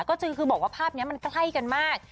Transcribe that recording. ก็คือบอกว่าภาพนี้มันใกล้กันมาก